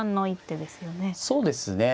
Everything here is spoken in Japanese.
そうですね。